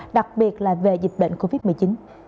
đặc biệt là về dịch bệnh covid một mươi chín